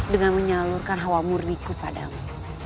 dengan menyalurkan hawa murniku padamu